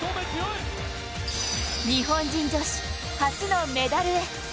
日本人女子初のメダルへ。